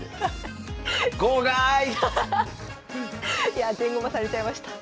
いやあ全駒されちゃいました。